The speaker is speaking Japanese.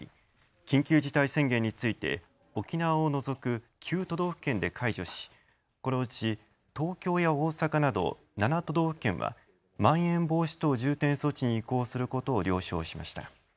緊急事態宣言について沖縄を除く、９都道府県で解除しこのうち東京や大阪など７都道府県はまん延防止等重点措置に移行することを了承しました。